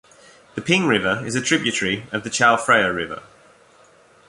The Ping River is a tributary of the Chao Phraya River.